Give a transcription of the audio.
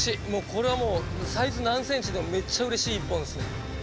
これはもうサイズ何ｃｍでもめっちゃうれしい１本ですね。